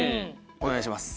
お願いします。